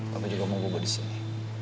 papi juga mau bubuk disini